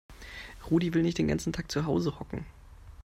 Rudi will nicht den ganzen Tag zu Hause hocken.